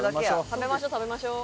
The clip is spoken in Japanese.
食べましょう食べましょう。